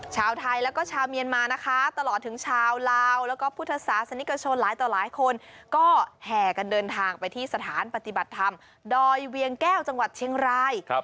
ชาวไทยแล้วก็ชาวเมียนมานะคะตลอดถึงชาวลาวแล้วก็พุทธศาสนิกชนหลายต่อหลายคนก็แห่กันเดินทางไปที่สถานปฏิบัติธรรมดอยเวียงแก้วจังหวัดเชียงราย